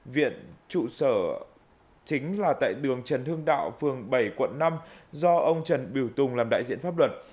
viện trụ sở chính là tại đường trần hưng đạo phường bảy quận năm do ông trần biểu tùng làm đại diện pháp luật